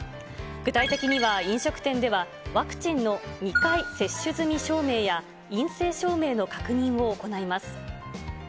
具体的には、飲食店では、ワクチンの２回接種済み証明や陰性証明の確認を行います。